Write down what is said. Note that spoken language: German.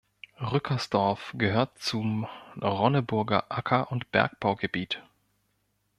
Rückersdorf gehört zum Ronneburger Acker- und Bergbaugebiet.